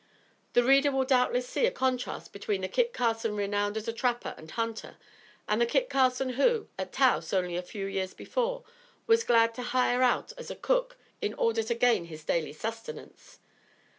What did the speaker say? The reader will doubtless see a contrast between the Kit Carson renowned as a trapper and hunter and the Kit Carson who, at Taos, only a few years before, was glad to hire out as a cook, in order to gain his daily sustenance.